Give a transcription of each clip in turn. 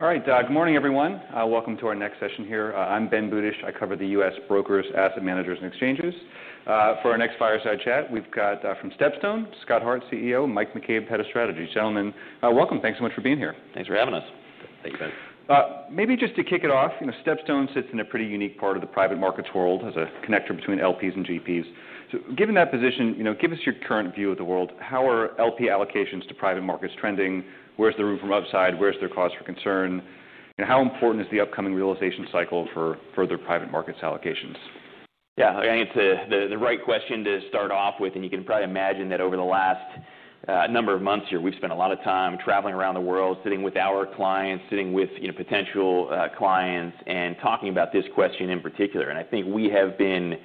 All right, good morning, everyone. Welcome to our next session here. I'm Ben Budish. I cover the U.S. brokers, asset managers, and exchanges. For our next fireside chat, we've got from StepStone, Scott Hart, CEO, Mike McCabe, Head of Strategy. Gentlemen, welcome. Thanks so much for being here. Thanks for having us. Thank you, Ben. Maybe just to kick it off, you know, StepStone sits in a pretty unique part of the private markets world as a connector between LPs and GPs. Given that position, you know, give us your current view of the world. How are LP allocations to private markets trending? Where's the room for upside? Where's their cause for concern? How important is the upcoming realization cycle for further private markets allocations? Yeah, I think it's the right question to start off with. You can probably imagine that over the last number of months here, we've spent a lot of time traveling around the world, sitting with our clients, sitting with potential clients, and talking about this question in particular. I think we have been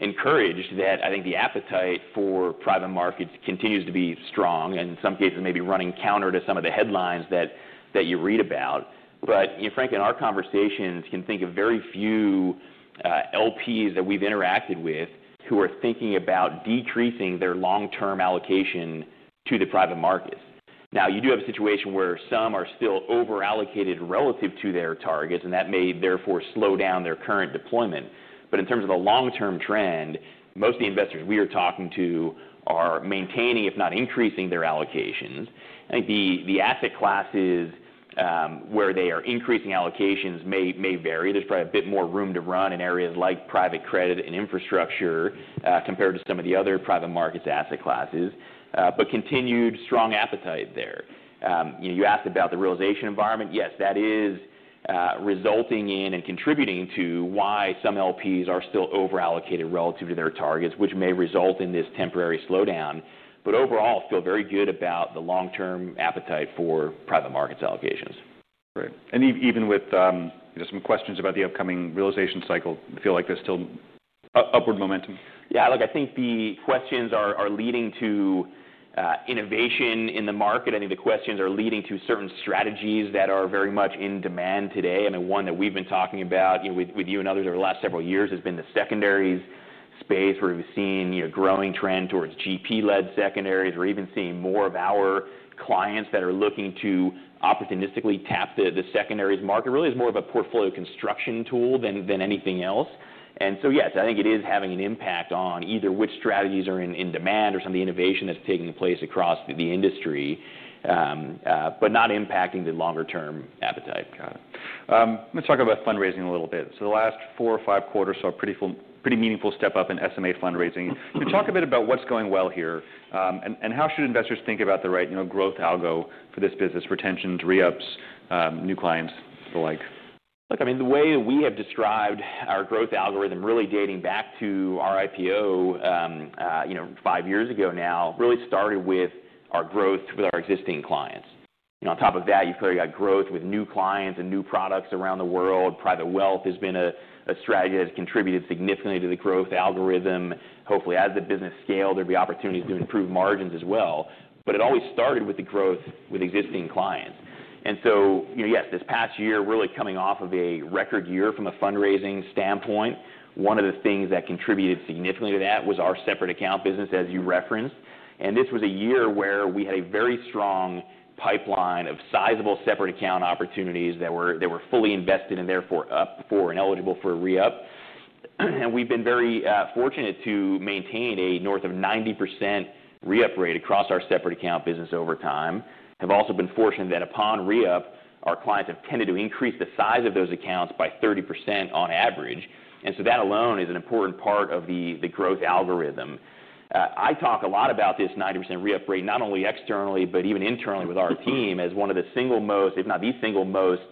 encouraged that the appetite for private markets continues to be strong and in some cases maybe running counter to some of the headlines that you read about. Frankly, in our conversations, you can think of very few LPs that we've interacted with who are thinking about decreasing their long-term allocation to the private markets. You do have a situation where some are still over-allocated relative to their targets, and that may therefore slow down their current deployment. In terms of the long-term trend, most of the investors we are talking to are maintaining, if not increasing, their allocations. I think the asset classes where they are increasing allocations may vary. There's probably a bit more room to run in areas like private credit and infrastructure compared to some of the other private markets asset classes. Continued strong appetite there. You asked about the realization environment. Yes, that is resulting in and contributing to why some LPs are still over-allocated relative to their targets, which may result in this temporary slowdown. Overall, I feel very good about the long-term appetite for private markets allocations. Right. Even with some questions about the upcoming realization cycle, you feel like there's still upward momentum? Yeah, look, I think the questions are leading to innovation in the market. I think the questions are leading to certain strategies that are very much in demand today. I mean, one that we've been talking about with you and others over the last several years has been the secondaries space, where we've seen a growing trend towards GP-led secondaries. We're even seeing more of our clients that are looking to opportunistically tap the secondaries market. It really is more of a portfolio construction tool than anything else. Yes, I think it is having an impact on either which strategies are in demand or some of the innovation that's taking place across the industry, but not impacting the longer-term appetite. Got it. Let's talk about fundraising a little bit. The last four or five quarters saw a pretty meaningful step up in SMA fundraising. Talk a bit about what's going well here. How should investors think about the right growth algo for this business, retentions, re-ups, new clients, the like? Look, I mean, the way we have described our growth algorithm really dating back to our IPO five years ago now really started with our growth with our existing clients. On top of that, you've clearly got growth with new clients and new products around the world. Private wealth has been a strategy that has contributed significantly to the growth algorithm. Hopefully, as the business scaled, there'd be opportunities to improve margins as well. It always started with the growth with existing clients. Yes, this past year, really coming off of a record year from a fundraising standpoint, one of the things that contributed significantly to that was our separate account business, as you referenced. This was a year where we had a very strong pipeline of sizable separate account opportunities that were fully invested and therefore up for and eligible for a re-up. We've been very fortunate to maintain a north of 90% re-up rate across our separate account business over time. Have also been fortunate that upon re-up, our clients have tended to increase the size of those accounts by 30% on average. That alone is an important part of the growth algorithm. I talk a lot about this 90% re-up rate, not only externally, but even internally with our team, as one of the single most, if not the single most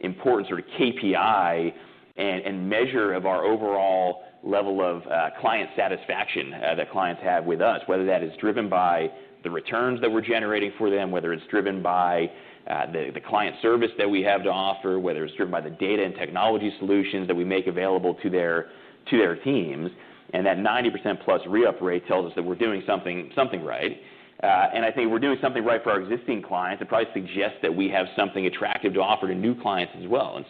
important sort of KPI and measure of our overall level of client satisfaction that clients have with us, whether that is driven by the returns that we're generating for them, whether it's driven by the client service that we have to offer, whether it's driven by the data and technology solutions that we make available to their teams. That 90% plus re-up rate tells us that we're doing something right. I think we're doing something right for our existing clients. It probably suggests that we have something attractive to offer to new clients as well.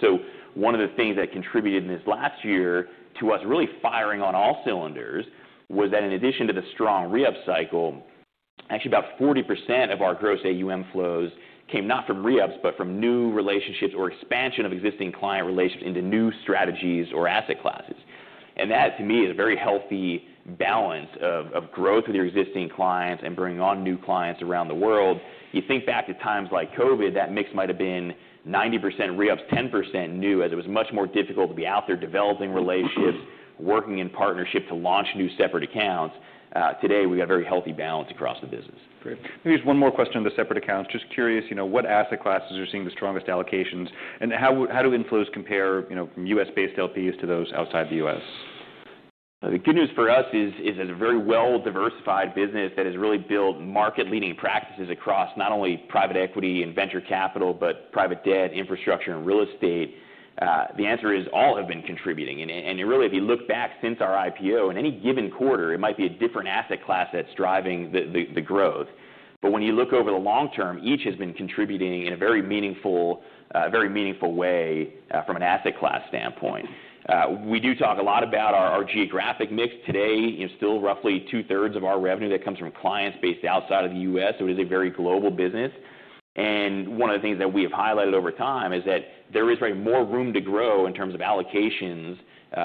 One of the things that contributed in this last year to us really firing on all cylinders was that in addition to the strong re-up cycle, actually about 40% of our gross AUM flows came not from re-ups, but from new relationships or expansion of existing client relationships into new strategies or asset classes. That, to me, is a very healthy balance of growth with your existing clients and bringing on new clients around the world. You think back to times like COVID, that mix might have been 90% re-ups, 10% new, as it was much more difficult to be out there developing relationships, working in partnership to launch new separate accounts. Today, we have a very healthy balance across the business. Great. Maybe just one more question on the separate accounts. Just curious, you know, what asset classes are seeing the strongest allocations? How do inflows compare from U.S.-based LPs to those outside the U.S.? The good news for us is that a very well-diversified business that has really built market-leading practices across not only private equity and venture capital, but private debt, infrastructure, and real estate. The answer is all have been contributing. If you look back since our IPO, in any given quarter, it might be a different asset class that's driving the growth. When you look over the long term, each has been contributing in a very meaningful way from an asset class standpoint. We do talk a lot about our geographic mix. Today, still roughly two-thirds of our revenue comes from clients based outside of the U.S. It is a very global business. One of the things that we have highlighted over time is that there is probably more room to grow in terms of allocations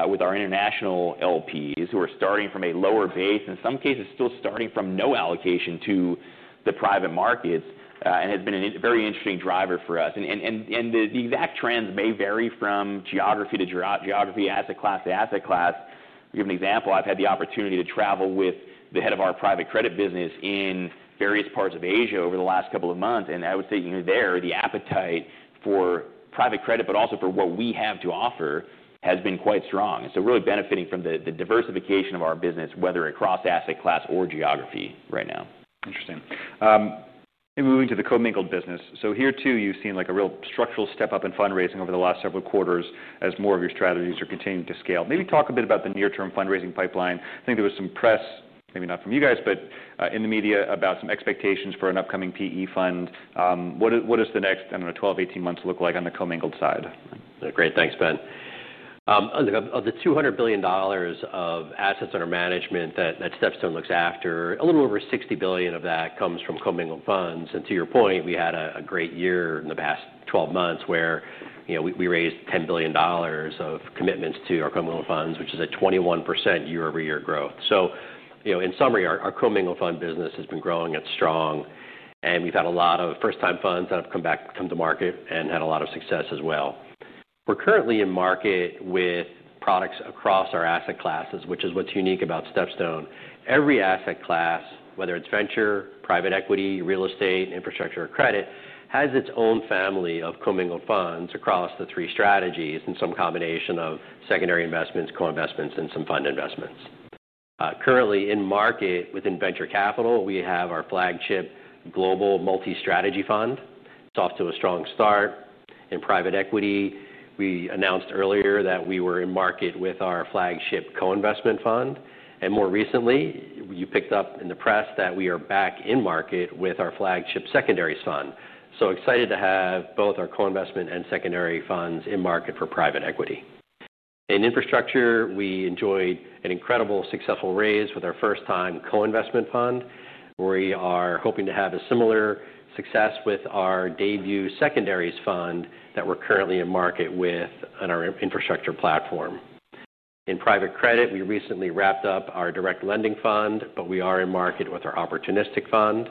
with our international LPs, who are starting from a lower base, in some cases still starting from no allocation to the private markets, and has been a very interesting driver for us. The exact trends may vary from geography to geography, asset class to asset class. To give an example, I've had the opportunity to travel with the Head of our private credit business in various parts of Asia over the last couple of months. I would say there the appetite for private credit, but also for what we have to offer, has been quite strong. Really benefiting from the diversification of our business, whether across asset class or geography right now. Interesting. Maybe moving to the co-mingled business. Here too, you've seen a real structural step up in fundraising over the last several quarters as more of your strategies are continuing to scale. Maybe talk a bit about the near-term fundraising pipeline. I think there was some press, maybe not from you guys, but in the media about some expectations for an upcoming PE fund. What does the next, I don't know, 12-18 months look like on the co-mingled side? Great, thanks, Ben. Of the $200 billion of assets under management that StepStone looks after, a little over $60 billion of that comes from co-mingled funds. To your point, we had a great year in the past 12 months where we raised $10 billion of commitments to our co-mingled funds, which is a 21% year-over-year growth. In summary, our co-mingled fund business has been growing. It's strong. We've had a lot of first-time funds that have come back to come to market and had a lot of success as well. We're currently in market with products across our asset classes, which is what's unique about StepStone. Every asset class, whether it's venture, private equity, real estate, infrastructure, or credit, has its own family of co-mingled funds across the three strategies and some combination of secondary investments, co-investments, and some fund investments. Currently in market within venture capital, we have our flagship global multi-strategy fund. It's off to a strong start. In private equity, we announced earlier that we were in market with our flagship co-investment fund. More recently, you picked up in the press that we are back in market with our flagship secondaries fund. Excited to have both our co-investment and secondary funds in market for private equity. In infrastructure, we enjoyed an incredibly successful raise with our first-time co-investment fund. We are hoping to have similar success with our debut secondaries fund that we're currently in market with on our infrastructure platform. In private credit, we recently wrapped up our direct lending fund, but we are in market with our opportunistic fund.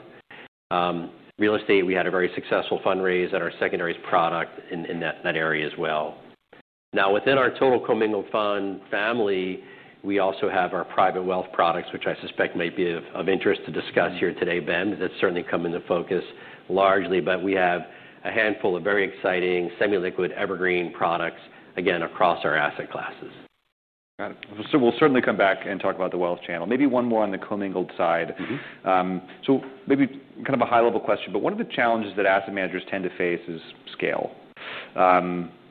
Real estate, we had a very successful fundraise at our secondaries product in that area as well. Within our total co-mingled fund family, we also have our private wealth products, which I suspect might be of interest to discuss here today, Ben, because that's certainly come into focus largely. We have a handful of very exciting semi-liquid evergreen products, again, across our asset classes. We'll certainly come back and talk about the wealth channel. Maybe one more on the co-mingled side. Maybe kind of a high-level question, but one of the challenges that asset managers tend to face is scale.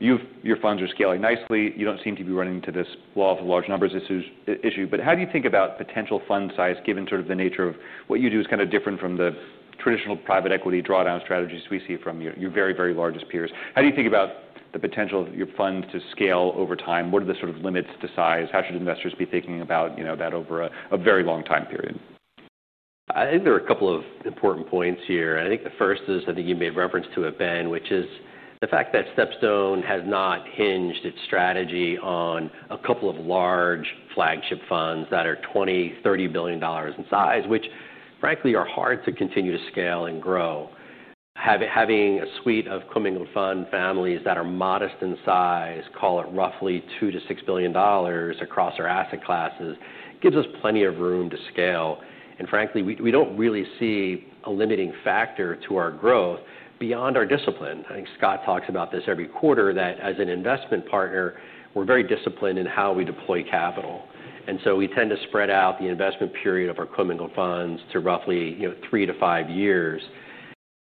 Your funds are scaling nicely. You don't seem to be running into this law of large numbers issue. How do you think about potential fund size, given sort of the nature of what you do is kind of different from the traditional private equity drawdown strategies we see from your very, very largest peers? How do you think about the potential of your funds to scale over time? What are the sort of limits to size? How should investors be thinking about that over a very long time period? I think there are a couple of important points here. The first is, I think you made reference to it, Ben, which is the fact that StepStone has not hinged its strategy on a couple of large flagship funds that are $20 billion, $30 billion in size, which frankly are hard to continue to scale and grow. Having a suite of co-mingled fund families that are modest in size, call it roughly $2 billion to $6 billion across our asset classes, gives us plenty of room to scale. We don't really see a limiting factor to our growth beyond our discipline. I think Scott talks about this every quarter, that as an investment partner, we're very disciplined in how we deploy capital. We tend to spread out the investment period of our co-mingled funds to roughly three to five years.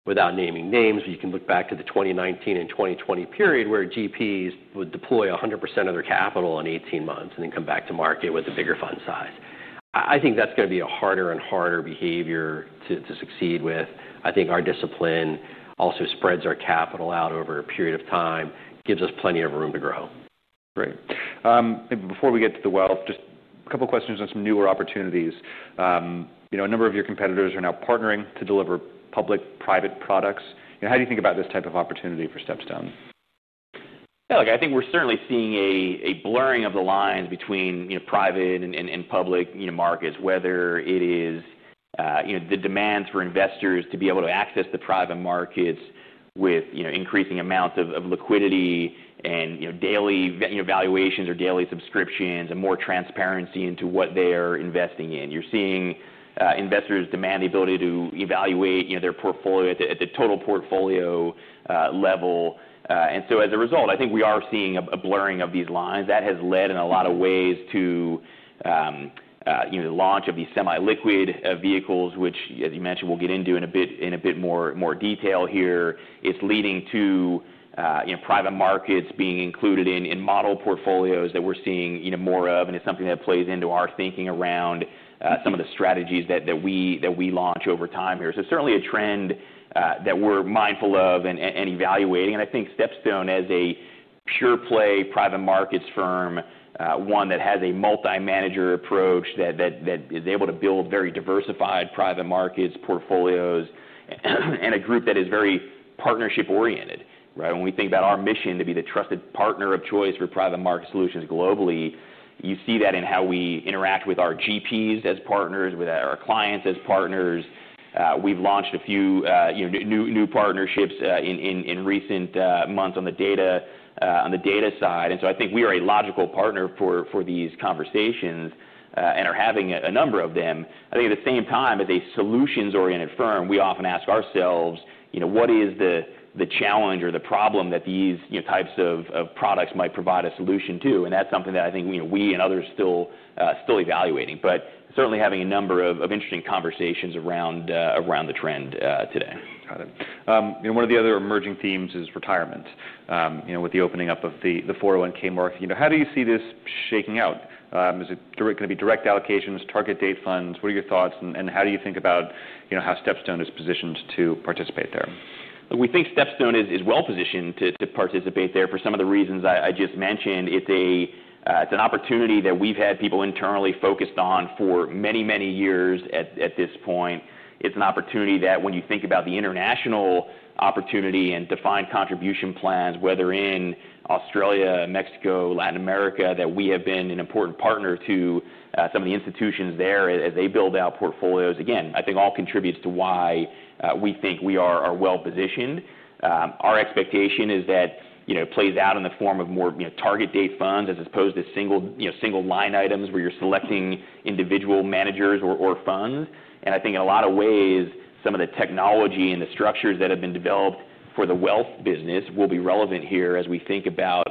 Without naming names, you can look back to the 2019 and 2020 period where GPs would deploy 100% of their capital in 18 months and then come back to market with a bigger fund size. I think that's going to be a harder and harder behavior to succeed with. Our discipline also spreads our capital out over a period of time, gives us plenty of room to grow. Right. I think before we get to the wealth, just a couple of questions on some newer opportunities. A number of your competitors are now partnering to deliver public-private products. How do you think about this type of opportunity for StepStone? Yeah, look, I think we're certainly seeing a blurring of the lines between private and public markets, whether it is the demands for investors to be able to access the private markets with an increasing amount of liquidity and daily valuations or daily subscriptions and more transparency into what they are investing in. You're seeing investors demand the ability to evaluate their portfolio at the total portfolio level. As a result, I think we are seeing a blurring of these lines. That has led in a lot of ways to the launch of these semi-liquid vehicles, which, as you mentioned, we'll get into in a bit more detail here. It's leading to private markets being included in model portfolios that we're seeing more of. It's something that plays into our thinking around some of the strategies that we launch over time here. It's certainly a trend that we're mindful of and evaluating. I think StepStone, as a pure-play private markets firm, one that has a multi-manager approach that is able to build very diversified private markets portfolios and a group that is very partnership-oriented. When we think about our mission to be the trusted partner of choice for private market solutions globally, you see that in how we interact with our GPs as partners, with our clients as partners. We've launched a few new partnerships in recent months on the data side. I think we are a logical partner for these conversations and are having a number of them. I think at the same time, as a solutions-oriented firm, we often ask ourselves, what is the challenge or the problem that these types of products might provide a solution to? That's something that I think we and others are still evaluating. Certainly having a number of interesting conversations around the trend today. Got it. One of the other emerging themes is retirement. With the opening up of the 401(k) market, how do you see this shaking out? Is it going to be direct allocations, target date funds? What are your thoughts? How do you think about how StepStone is positioned to participate there? We think StepStone is well positioned to participate there for some of the reasons I just mentioned. It's an opportunity that we've had people internally focused on for many, many years at this point. It's an opportunity that when you think about the international opportunity and defined contribution plans, whether in Australia, Mexico, Latin America, that we have been an important partner to some of the institutions there as they build out portfolios. I think all contributes to why we think we are well positioned. Our expectation is that it plays out in the form of more target date funds as opposed to single line items where you're selecting individual managers or funds. I think in a lot of ways, some of the technology and the structures that have been developed for the wealth business will be relevant here as we think about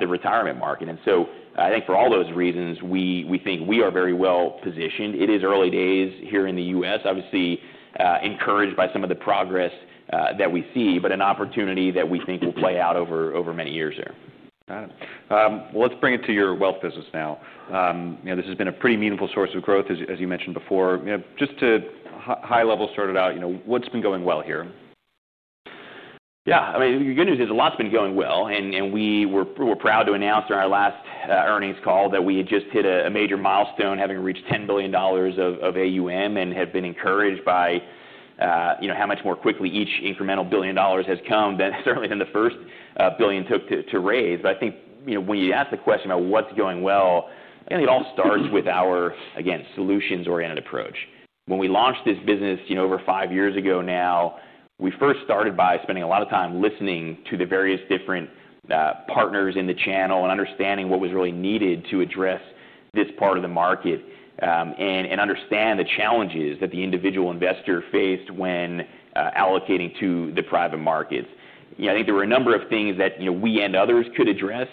the retirement market. For all those reasons, we think we are very well positioned. It is early days here in the U.S., obviously encouraged by some of the progress that we see, but an opportunity that we think will play out over many years here. Got it. Let's bring it to your wealth business now. This has been a pretty meaningful source of growth, as you mentioned before. Just to high level start it out, what's been going well here? Yeah, I mean, the good news is a lot's been going well. We were proud to announce in our last earnings call that we had just hit a major milestone, having reached $10 billion of AUM and have been encouraged by how much more quickly each incremental billion dollars has come certainly than the first billion took to raise. I think when you ask the question about what's going well, it all starts with our, again, solutions-oriented approach. When we launched this business over five years ago now, we first started by spending a lot of time listening to the various different partners in the channel and understanding what was really needed to address this part of the market and understand the challenges that the individual investor faced when allocating to the private markets. I think there were a number of things that we and others could address,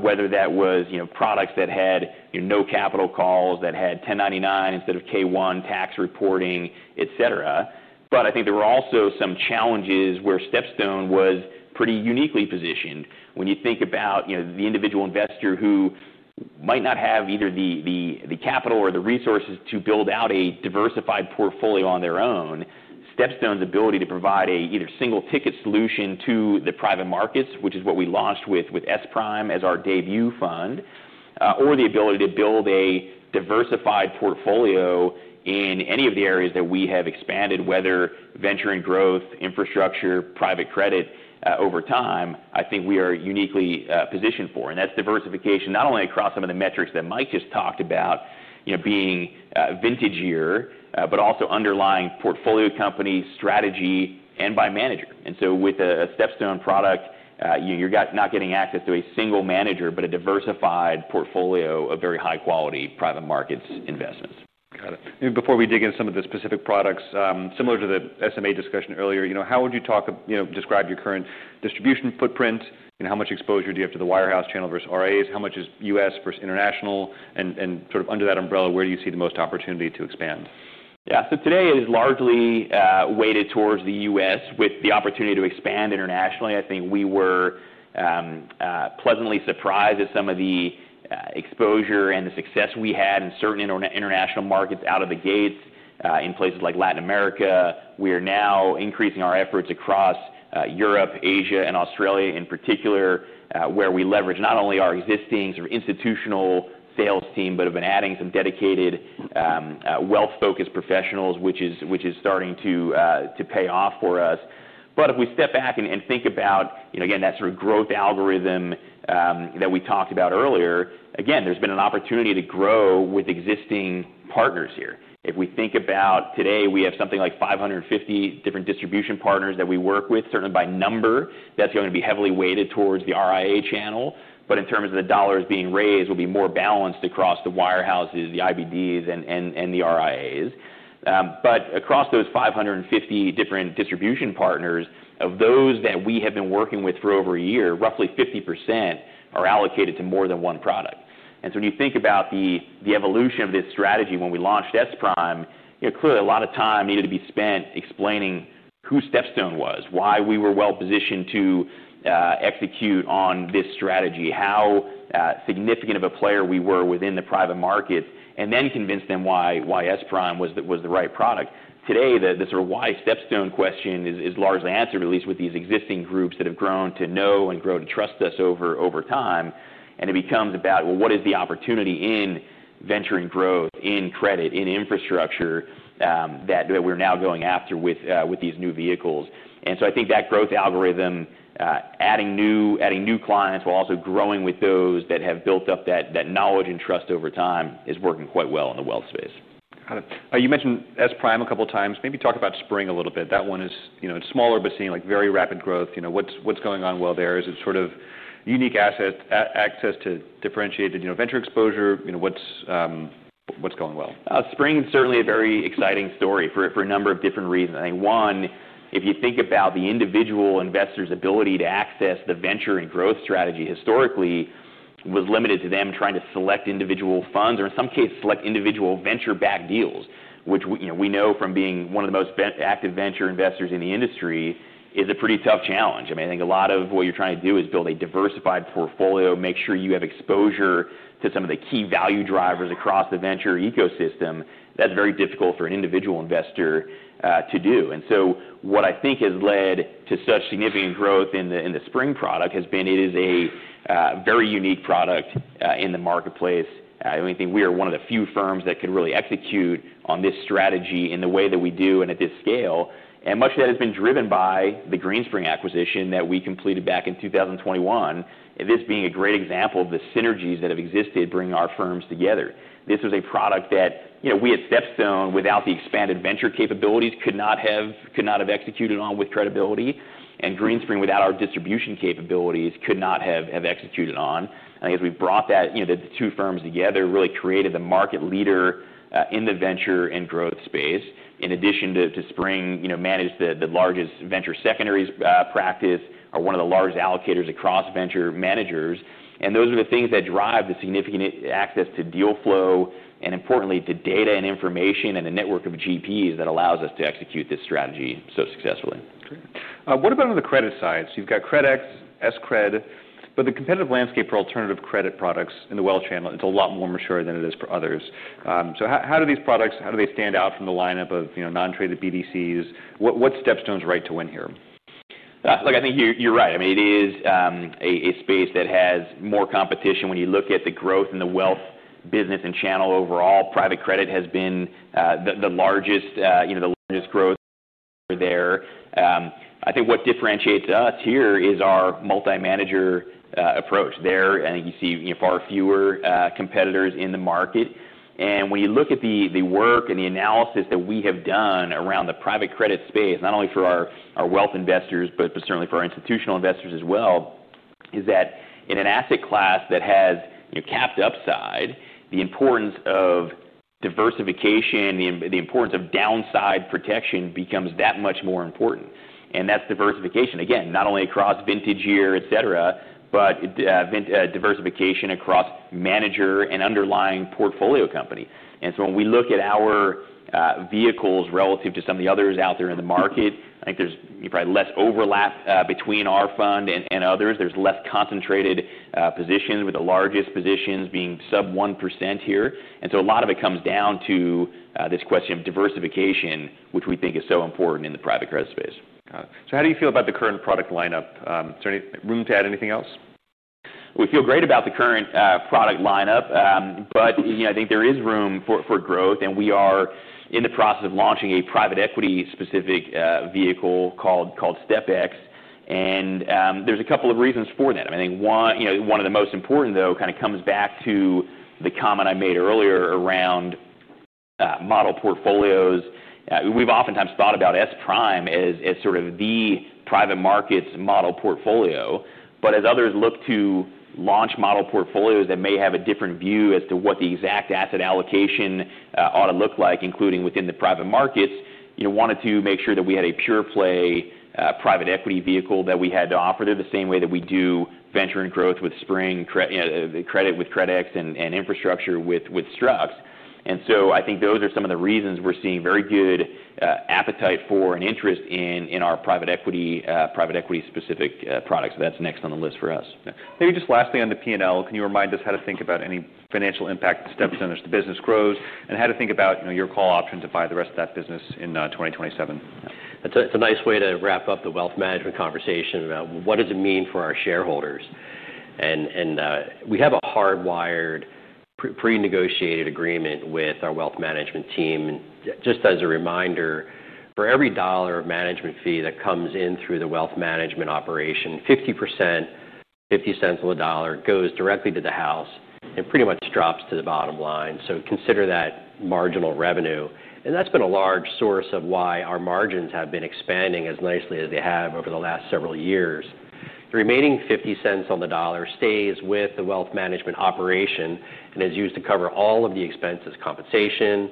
whether that was products that had no capital calls, that had 1099 instead of K-1 tax reporting, et cetera. I think there were also some challenges where StepStone was pretty uniquely positioned. When you think about the individual investor who might not have either the capital or the resources to build out a diversified portfolio on their own, StepStone's ability to provide either a single-ticket solution to the private markets, which is what we launched with S Prime as our debut fund, or the ability to build a diversified portfolio in any of the areas that we have expanded, whether venture and growth, infrastructure, private credit over time, I think we are uniquely positioned for. That's diversification not only across some of the metrics that Mike just talked about being vintage-year, but also underlying portfolio company, strategy, and by manager. With a StepStone product, you're not getting access to a single manager, but a diversified portfolio of very high-quality private markets investments. Got it. Before we dig into some of the specific products, similar to the SMA discussion earlier, how would you describe your current distribution footprint? How much exposure do you have to the wirehouse channel versus RIAs? How much is U.S. versus international? Under that umbrella, where do you see the most opportunity to expand? Yeah, so today is largely weighted towards the U.S. with the opportunity to expand internationally. I think we were pleasantly surprised at some of the exposure and the success we had in certain international markets out of the gate in places like Latin America. We are now increasing our efforts across Europe, Asia, and Australia in particular, where we leverage not only our existing sort of institutional sales team, but have been adding some dedicated wealth-focused professionals, which is starting to pay off for us. If we step back and think about, again, that sort of growth algorithm that we talked about earlier, there's been an opportunity to grow with existing partners here. If we think about today, we have something like 550 different distribution partners that we work with. Certainly by number, that's going to be heavily weighted towards the RIA channel, but in terms of the dollars being raised, we'll be more balanced across the wirehouses, the IBDs, and the RIAs. Across those 550 different distribution partners, of those that we have been working with for over a year, roughly 50% are allocated to more than one product. When you think about the evolution of this strategy when we launched S Prime, clearly a lot of time needed to be spent explaining who StepStone was, why we were well positioned to execute on this strategy, how significant of a player we were within the private markets, and then convince them why S Prime was the right product. Today, the sort of why StepStone question is largely answered, at least with these existing groups that have grown to know and grown to trust us over time. It becomes about, well, what is the opportunity in venture and growth, in credit, in infrastructure that we're now going after with these new vehicles? I think that growth algorithm, adding new clients while also growing with those that have built up that knowledge and trust over time, is working quite well in the wealth space. Got it. You mentioned S Prime a couple of times. Maybe talk about Spring a little bit. That one is smaller, but seeming like very rapid growth. What's going on well there? Is it sort of unique asset access to differentiated venture exposure? What's going well? Spring is certainly a very exciting story for a number of different reasons. I think one, if you think about the individual investor's ability to access the venture and growth strategy, historically was limited to them trying to select individual funds or in some cases select individual venture-backed deals, which we know from being one of the most active venture investors in the industry is a pretty tough challenge. I mean, I think a lot of what you're trying to do is build a diversified portfolio, make sure you have exposure to some of the key value drivers across the venture ecosystem. That's very difficult for an individual investor to do. What I think has led to such significant growth in the Spring product has been it is a very unique product in the marketplace. I think we are one of the few firms that could really execute on this strategy in the way that we do and at this scale. Much of that has been driven by the Greenspring acquisition that we completed back in 2021, this being a great example of the synergies that have existed bringing our firms together. This was a product that we at StepStone, without the expanded venture capabilities, could not have executed on with credibility. Greenspring, without our distribution capabilities, could not have executed on. I think as we brought the two firms together, really created the market leader in the venture and growth space. In addition to Spring, managed the largest venture secondaries practice, are one of the largest allocators across venture managers. Those are the things that drive the significant access to deal flow and importantly to data and information and the network of GPs that allows us to execute this strategy so successfully. Great. What about on the credit side? You've got CredX, S Cred, but the competitive landscape for alternative credit products in the wealth channel is a lot more mature than it is for others. How do these products stand out from the lineup of non-traded BDCs? What's StepStone's right to win here? Look, I think you're right. I mean, it is a space that has more competition when you look at the growth in the wealth business and channel overall. Private credit has been the largest growth there. I think what differentiates us here is our multi-manager approach. There, I think you see far fewer competitors in the market. When you look at the work and the analysis that we have done around the private credit space, not only for our wealth investors, but certainly for our institutional investors as well, in an asset class that has capped upside, the importance of diversification, the importance of downside protection becomes that much more important. That's diversification, again, not only across vintage year, et cetera, but diversification across manager and underlying portfolio company. When we look at our vehicles relative to some of the others out there in the market, I think there's probably less overlap between our fund and others. There's less concentrated positions with the largest positions being sub 1% here. A lot of it comes down to this question of diversification, which we think is so important in the private credit space. How do you feel about the current product lineup? Is there any room to add anything else? We feel great about the current product lineup, but I think there is room for growth. We are in the process of launching a private equity-specific vehicle called StepX. There are a couple of reasons for that. I think one of the most important comes back to the comment I made earlier around model portfolios. We've oftentimes thought about S Prime as sort of the private markets model portfolio. As others look to launch model portfolios that may have a different view as to what the exact asset allocation ought to look like, including within the private markets, we wanted to make sure that we had a pure-play private equity vehicle that we had to offer there, the same way that we do venture and growth with Spring, credit with CredX, and infrastructure with Strux. I think those are some of the reasons we're seeing very good appetite for and interest in our private equity-specific products. That's next on the list for us. Maybe just last thing on the P&L, can you remind us how to think about any financial impact to StepStone as the business grows, and how to think about your call option to buy the rest of that business in 2027? It's a nice way to wrap up the wealth management conversation about what does it mean for our shareholders. We have a hardwired pre-negotiated agreement with our wealth management team. Just as a reminder, for every dollar of management fee that comes in through the wealth management operation, 50%, $0.50 on the dollar, goes directly to the house and pretty much drops to the bottom line. Consider that marginal revenue. That's been a large source of why our margins have been expanding as nicely as they have over the last several years. The remaining $0.50 on the dollar stays with the wealth management operation and is used to cover all of the expenses: compensation,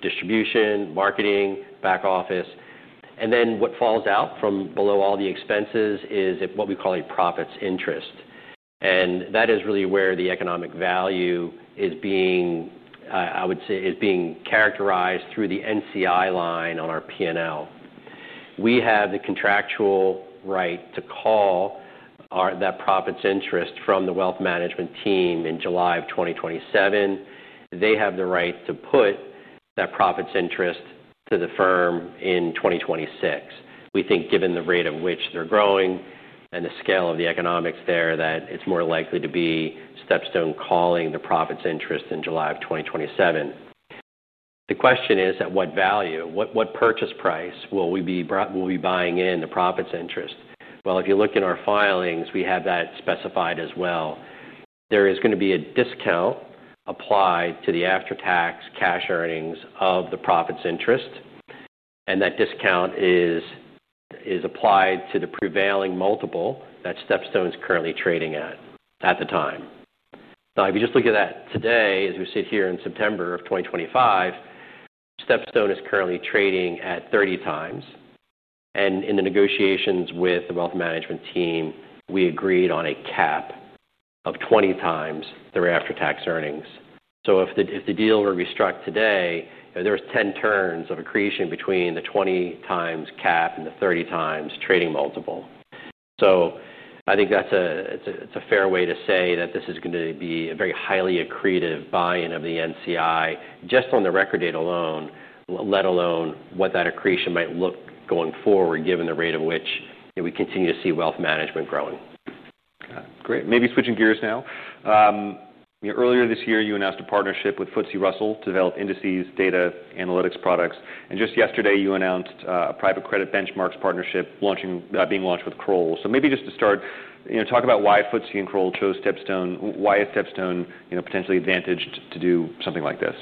distribution, marketing, back office. What falls out from below all the expenses is what we call a profits interest. That is really where the economic value is being, I would say, is being characterized through the NCI line on our P&L. We have the contractual right to call that profits interest from the wealth management team in July of 2027. They have the right to put that profits interest to the firm in 2026. We think given the rate at which they're growing and the scale of the economics there, that it's more likely to be StepStone calling the profits interest in July of 2027. The question is at what value, what purchase price will we be buying in the profits interest? If you look in our filings, we have that specified as well. There is going to be a discount applied to the after-tax cash earnings of the profits interest. That discount is applied to the prevailing multiple that StepStone is currently trading at at the time. If you just look at that today, as we sit here in September of 2025, StepStone is currently trading at 30 times. In the negotiations with the wealth management team, we agreed on a cap of 20 times their after-tax earnings. If the deal were to be struck today, there's 10 turns of accretion between the 20 times cap and the 30 times trading multiple. I think that's a fair way to say that this is going to be a very highly accretive buy-in of the NCI just on the record date alone, let alone what that accretion might look going forward, given the rate at which we continue to see wealth management growing. Got it. Great. Maybe switching gears now. Earlier this year, you announced a partnership with FTSE Russell to develop indices, data, analytics products. Just yesterday, you announced a private credit benchmarks partnership being launched with Kroll. Maybe just to start, talk about why FTSE and Kroll chose StepStone. Why is StepStone potentially advantaged to do something like this?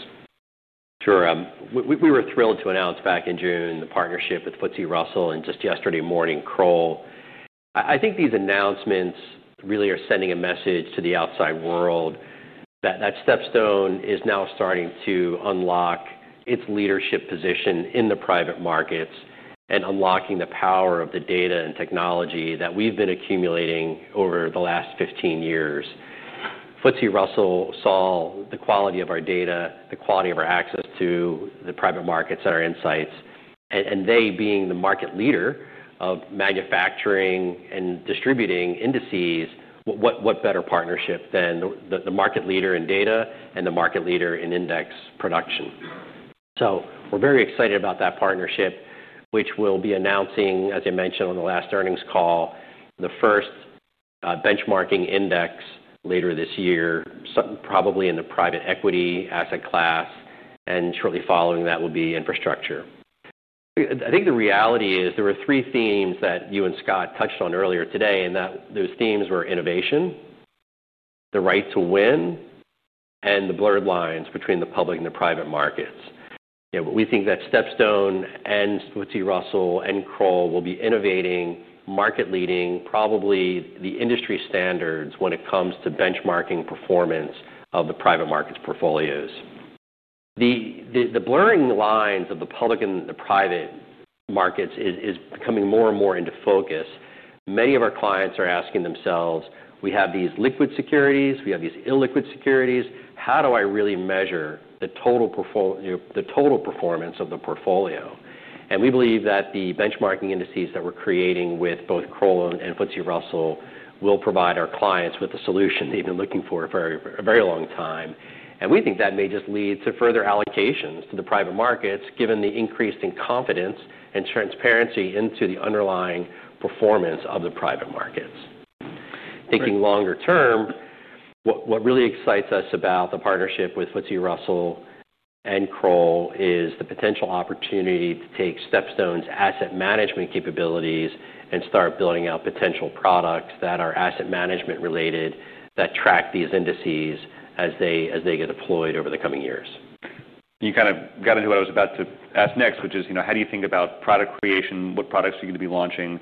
Sure. We were thrilled to announce back in June the partnership with FTSE Russell. Just yesterday morning, Kroll. I think these announcements really are sending a message to the outside world that StepStone is now starting to unlock its leadership position in the private markets and unlocking the power of the data and technology that we've been accumulating over the last 15 years. FTSE Russell saw the quality of our data, the quality of our access to the private markets and our insights. They, being the market leader of manufacturing and distributing indices, what better partnership than the market leader in data and the market leader in index production? We are very excited about that partnership, which we'll be announcing, as I mentioned on the last earnings call, the first benchmarking index later this year, probably in the private equity asset class. Shortly following that will be infrastructure. I think the reality is there were three themes that you and Scott touched on earlier today, and those themes were innovation, the right to win, and the blurred lines between the public and the private markets. We think that StepStone and FTSE Russell and Kroll will be innovating, market leading, probably the industry standards when it comes to benchmarking performance of the private markets portfolios. The blurring lines of the public and the private markets is coming more and more into focus. Many of our clients are asking themselves, we have these liquid securities, we have these illiquid securities, how do I really measure the total performance of the portfolio? We believe that the benchmarking indices that we're creating with both Kroll and FTSE Russell will provide our clients with the solution they've been looking for for a very long time. We think that may just lead to further allocations to the private markets, given the increase in confidence and transparency into the underlying performance of the private markets. Thinking longer term, what really excites us about the partnership with FTSE Russell and Kroll is the potential opportunity to take StepStone's asset management capabilities and start building out potential products that are asset management related that track these indices as they get deployed over the coming years. You kind of got into what I was about to ask next, which is how do you think about product creation? What products are you going to be launching?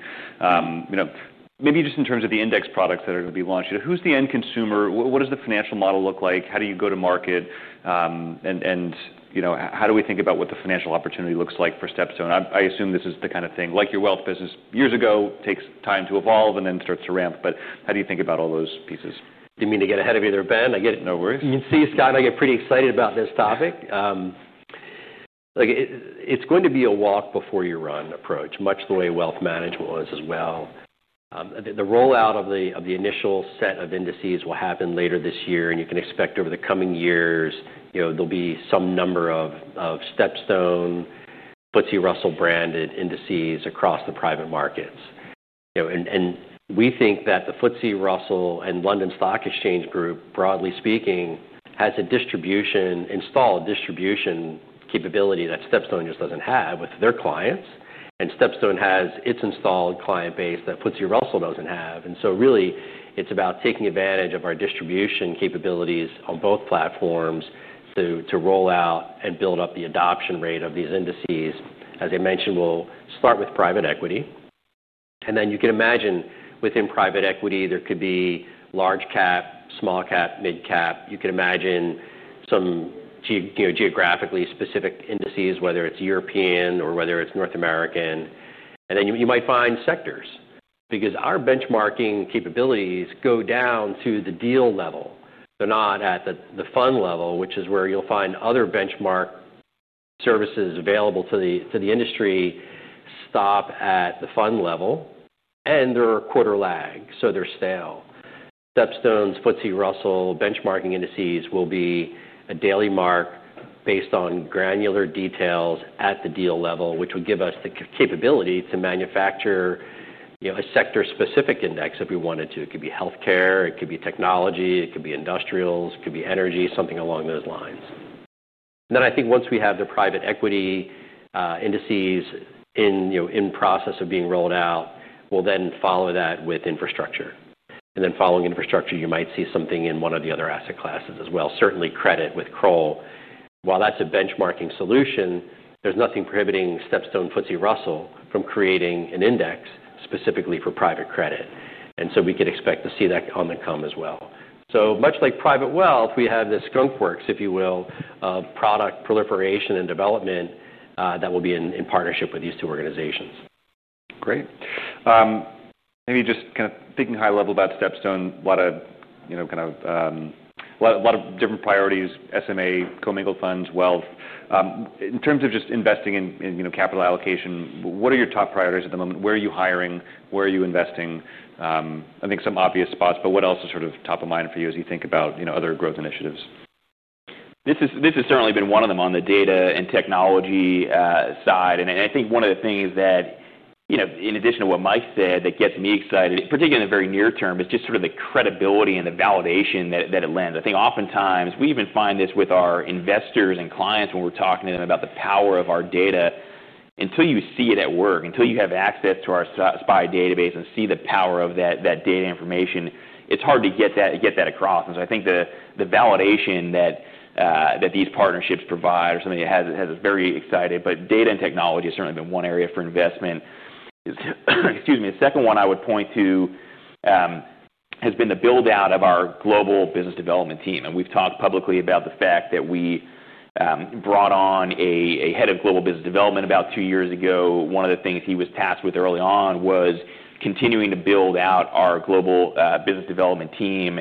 Maybe just in terms of the index products that are going to be launched. Who's the end consumer? What does the financial model look like? How do you go to market? How do we think about what the financial opportunity looks like for StepStone? I assume this is the kind of thing, like your wealth business years ago, takes time to evolve and then starts to ramp. How do you think about all those pieces? Did I get ahead of you there, Ben? No worries. You can see Scott and I get pretty excited about this topic. It's going to be a walk before you run approach, much the way wealth management was as well. The rollout of the initial set of indices will happen later this year. You can expect over the coming years, there'll be some number of StepStone FTSE Russell branded indices across the private markets. We think that the FTSE Russell and London Stock Exchange Group, broadly speaking, has a distribution installed distribution capability that StepStone just doesn't have with their clients. StepStone has its installed client base that FTSE Russell doesn't have. It's about taking advantage of our distribution capabilities on both platforms to roll out and build up the adoption rate of these indices. As I mentioned, we'll start with private equity. You can imagine within private equity, there could be large cap, small cap, mid cap. You can imagine some geographically specific indices, whether it's European or whether it's North American. You might find sectors, because our benchmarking capabilities go down to the deal level. They're not at the fund level, which is where you'll find other benchmark services available to the industry stop at the fund level. They're a quarter lag, so they're stale. StepStone's FTSE Russell benchmarking indices will be a daily mark based on granular details at the deal level, which will give us the capability to manufacture a sector-specific index if we wanted to. It could be health care, it could be technology, it could be industrials, it could be energy, something along those lines. I think once we have the private equity indices in process of being rolled out, we'll then follow that with infrastructure. Following infrastructure, you might see something in one of the other asset classes as well, certainly credit with Kroll. While that's a benchmarking solution, there's nothing prohibiting StepStone FTSE Russell from creating an index specifically for private credit. We could expect to see that on the come as well. Much like private wealth, we have this skunkworks, if you will, of product proliferation and development that will be in partnership with these two organizations. Great. Maybe just kind of thinking high level about StepStone, a lot of kind of a lot of different priorities: SMA, co-mingled funds, wealth. In terms of just investing in capital allocation, what are your top priorities at the moment? Where are you hiring? Where are you investing? I think some obvious spots, but what else is sort of top of mind for you as you think about other growth initiatives? This has certainly been one of them on the data and technology side. I think one of the things that, in addition to what Mike said, gets me excited, particularly in the very near term, is just sort of the credibility and the validation that it lends. I think oftentimes we even find this with our investors and clients when we're talking to them about the power of our data. Until you see it at work, until you have access to our SPY database and see the power of that data information, it's hard to get that across. I think the validation that these partnerships provide is something that has us very excited. Data and technology has certainly been one area for investment. The second one I would point to has been the build-out of our global business development team. We've talked publicly about the fact that we brought on a Head of Global Business Development about two years ago. One of the things he was tasked with early on was continuing to build out our global business development team.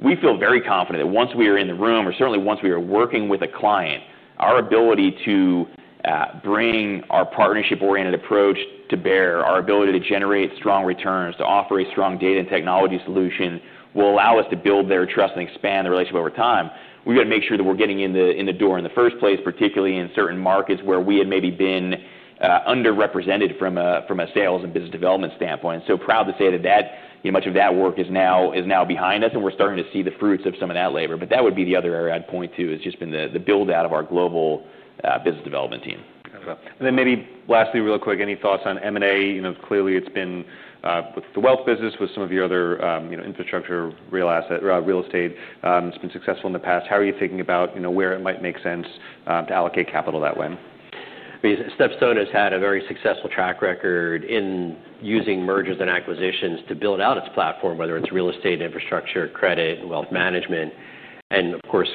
We feel very confident that once we are in the room, or certainly once we are working with a client, our ability to bring our partnership-oriented approach to bear, our ability to generate strong returns, to offer a strong data and technology solution will allow us to build their trust and expand the relationship over time. We've got to make sure that we're getting in the door in the first place, particularly in certain markets where we had maybe been underrepresented from a sales and business development standpoint. I am proud to say that much of that work is now behind us, and we're starting to see the fruits of some of that labor. That would be the other area I'd point to, has just been the build-out of our global business development team. Lastly, real quick, any thoughts on M&A? Clearly, it's been with the wealth business, with some of your other infrastructure, real estate, it's been successful in the past. How are you thinking about where it might make sense to allocate capital that way? StepStone has had a very successful track record in using mergers and acquisitions to build out its platform, whether it's real estate, infrastructure, credit, and wealth management.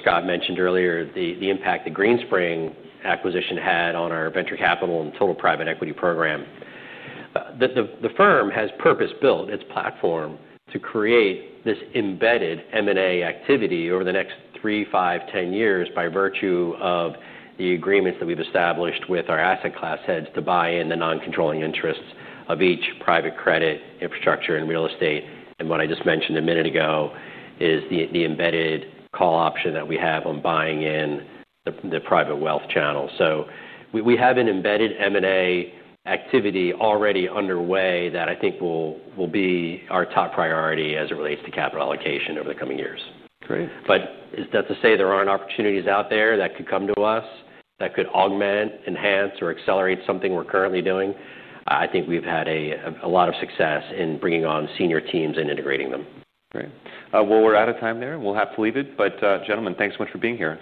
Scott mentioned earlier the impact the Greenspring acquisition had on our venture capital and total private equity program. The firm has purpose-built its platform to create this embedded M&A activity over the next three, five, ten years by virtue of the agreements that we've established with our asset class heads to buy in the non-controlling interests of each private credit, infrastructure, and real estate. What I just mentioned a minute ago is the embedded call option that we have on buying in the private wealth channel. We have an embedded M&A activity already underway that I think will be our top priority as it relates to capital allocation over the coming years. That is to say there aren't opportunities out there that could come to us that could augment, enhance, or accelerate something we're currently doing. I think we've had a lot of success in bringing on senior teams and integrating them. Great. We're out of time there. We'll have to leave it. Gentlemen, thanks so much for being here.